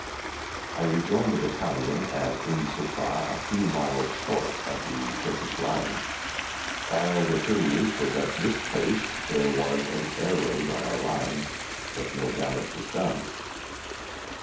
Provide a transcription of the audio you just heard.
I rejoined the Battalion at Umm Suffah, a few miles short of the Turkish lines. While the 38th was at this place there was an air raid on our lines, but no damage was done.